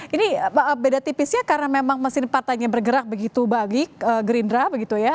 ini beda tipisnya karena memang mesin partainya bergerak begitu bagi gerindra begitu ya